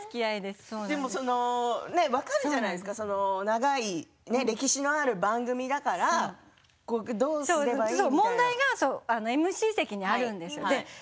分かるじゃないですか長い歴史のある番組だから問題がＭＣ席にあるんです。